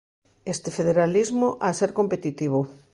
Este federalismo ha ser competitivo.